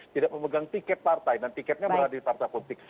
tidak memegang tiket partai dan tiketnya berada di partai politik